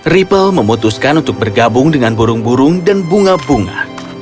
ripple memutuskan untuk bergabung dengan burung burung dan bunga bunga